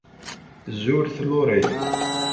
Zuret Laurie?